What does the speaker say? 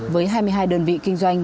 với hai mươi hai đơn vị kinh doanh